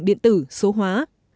điện tử số hóa